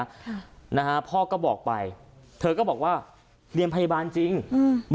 ค่ะนะฮะพ่อก็บอกไปเธอก็บอกว่าเรียนพยาบาลจริงอืม